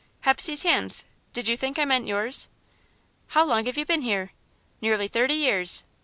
"Hepsey's hands did you think I meant yours?" "How long have you been here?" "Nearly thirty years."